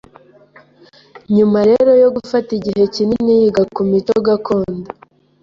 Nyuma rero yo gufata igihe kinini yiga ku mico gakondo